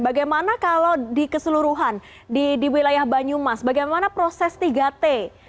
bagaimana kalau di keseluruhan di wilayah banyumas bagaimana proses tiga t